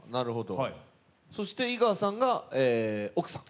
そして井川さんが奥さん？